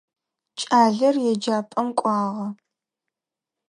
Кӏалэр еджапӏэм кӏуагъэ.